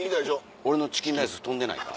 俺のチキンライス飛んでないか？